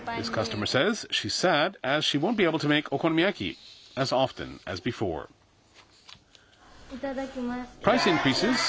いただきます。